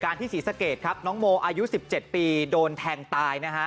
ที่ศรีสะเกดครับน้องโมอายุ๑๗ปีโดนแทงตายนะฮะ